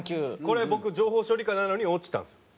これ僕情報処理科なのに落ちたんですよ。